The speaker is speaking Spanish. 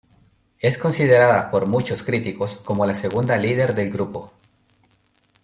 Es considerada por muchos críticos como la segunda líder del grupo.